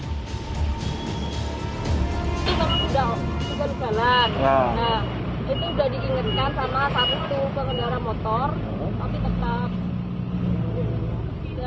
itu pengendara motor tapi tetap